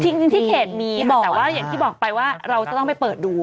จริงที่เขตมีบอกว่าอย่างที่บอกไปว่าเราจะต้องไปเปิดดู